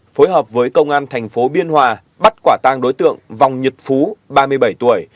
phối hợp với công an thành phố biên hòa bắt quả tang đối tượng vòng nhật phú ba mươi bảy tuổi